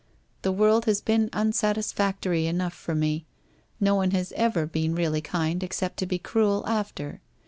The world has been unsat isfactory enough to me. No one has ever been really kind except to be cruel, after.